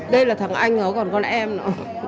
đây là thằng anh nó còn con em nữa